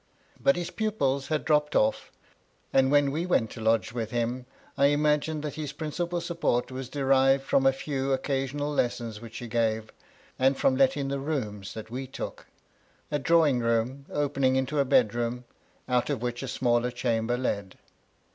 But his pupils had dropped off; and when we went to lodge with him, I imagine that his principal support was derived from a few occasional lessons which he gave, and frt)m letting the rooms that we took, a drawing room opening into a bed room, out of which a smaller chamber led.